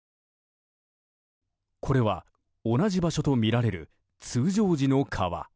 これは同じ場所とみられる通常時の川。